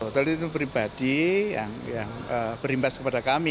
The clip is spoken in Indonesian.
tadi itu pribadi yang berimpas kepada kami